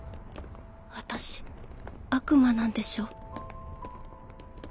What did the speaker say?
私悪魔なんでしょ？